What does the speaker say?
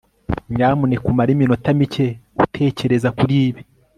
nyamuneka umare iminota mike utekereza kuri ibi